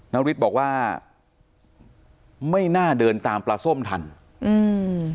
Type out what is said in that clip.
นาริสบอกว่าไม่น่าเดินตามปลาส้มทันอืม